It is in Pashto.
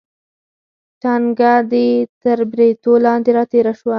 ټنګه دې تر بریتو لاندې راتېره شوه.